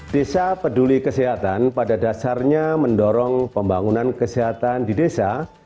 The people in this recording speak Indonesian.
desa peduli kesehatan pada dasarnya mendorong pembangunan kesehatan di desa